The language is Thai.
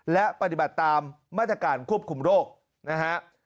และปฏิบัติตามมาตรการควบคุมโรคนะฮะ